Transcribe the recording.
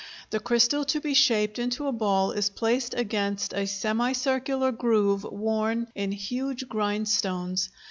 The crystal to be shaped into a ball is placed against a semicircular groove worn in huge grindstones.